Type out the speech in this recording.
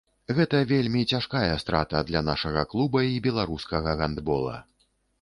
Гэта вельмі цяжкая страта для нашага клуба і беларускага гандбола.